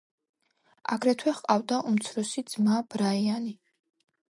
აგრეთვე ჰყავდა უმცროსი ძმა ბრაიანი.